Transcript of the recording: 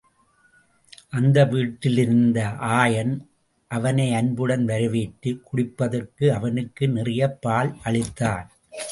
அந்த வீட்டிலிருந்த ஆயன், அவனை அன்புடன் வரவேற்று, குடிப்பதற்கு அவனுக்கு நிறையப் பால் அளித்தான்.